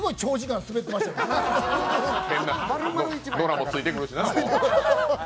ノラもついてくるしな。